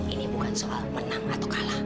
ini bukan soal menang atau kalah